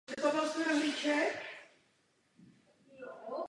Rozhodnutí se brání.